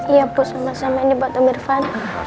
iya bu sama sama ini buat om irfan